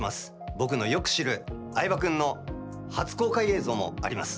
僕のよく知る相葉君の初公開映像もあります。